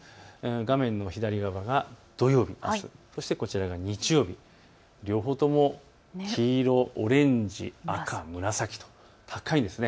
画面の左側が土曜日、そしてこちらが日曜日、両方とも黄色、オレンジ、赤、紫と高いんですね。